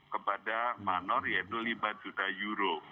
kepada manor ya itu lima juta euro